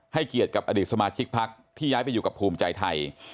เกียรติกับอดีตสมาชิกพักที่ย้ายไปอยู่กับภูมิใจไทย